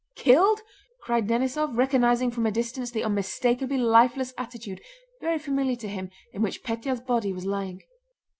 "Killed?" cried Denísov, recognizing from a distance the unmistakably lifeless attitude—very familiar to him—in which Pétya's body was lying.